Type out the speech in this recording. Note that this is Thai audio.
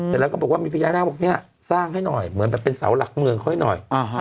เสร็จแล้วก็บอกว่ามีพญานาคบอกเนี่ยสร้างให้หน่อยเหมือนแบบเป็นเสาหลักเมืองเขาให้หน่อย